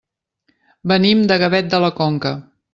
Venim de Gavet de la Conca.